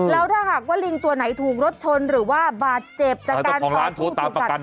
แล้วถ้าหากว่าลิงตัวไหนถูกรถชนหรือว่าบาดเจ็บจากการต่อสู้ถูกกัด